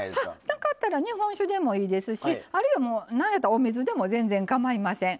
なかったら日本酒でもいいですしあるいはもう何やったらお水でも全然かまいません。